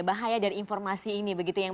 supaya terbunuh worked with bali